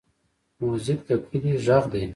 موزیک د کلي غږ دی.